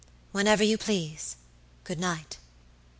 "Whenever you please. Good night."